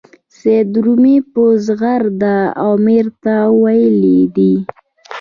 سید رومي په زغرده امیر ته ویلي دي.